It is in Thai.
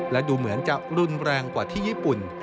และดูเหมือนจะรุนแรงกว่าที่ญี่ปุ่น